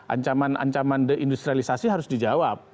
ancaman ancaman deindustrialisasi harus dijawab